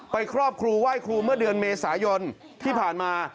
ครอบครูไหว้ครูเมื่อเดือนเมษายนที่ผ่านมา